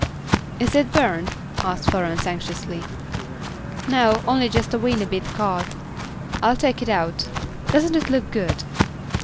"Is it burned?" asked Florence, anxiously. "No, only just a weeny bit caught. I'll take it out. Doesn't it look good?"